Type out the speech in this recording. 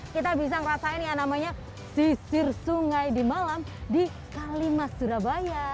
kita bisa ngerasain yang namanya sisir sungai di malam di kalimas surabaya